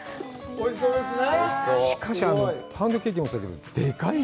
おいしそうでしたね。